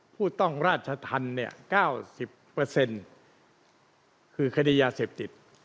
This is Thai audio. ผู้ต้องราชธรรม๙๐คือคดียาเสพติด